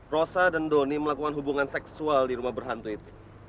rosa dan doni melakukan hubungan seksual di rumah berhantu itu